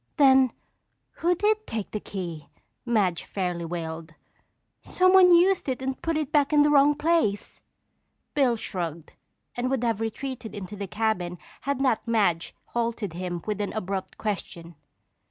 "Then who did take the key?" Madge fairly wailed. "Someone used it and put it back in the wrong place." Bill shrugged and would have retreated into the cabin had not Madge halted him with an abrupt question.